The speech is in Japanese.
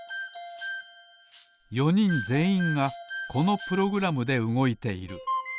４にんぜんいんがこのプログラムでうごいている。